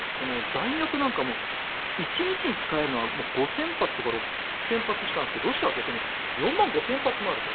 弾薬なんか１日に使えるのは５０００発とか６０００発しかなくてロシアは逆に４万５０００発もあると。